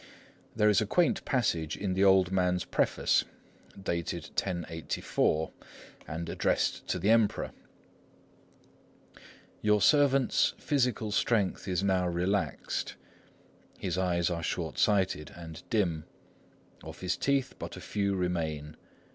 There is a quaint passage in the old man's Preface, dated 1084, and addressed to the Emperor:— "Your servant's physical strength is now relaxed; his eyes are short sighted and dim; of his teeth but a few remain.